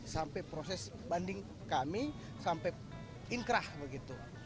sampai proses banding kami sampai inkrah begitu